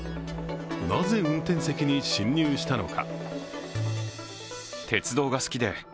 なぜ運転席に侵入したのか。